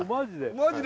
マジで？